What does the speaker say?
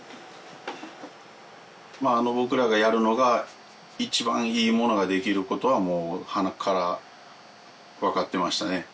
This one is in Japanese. まぁ僕らがやるのが一番いいものが出来ることはもうはなっから分かってましたね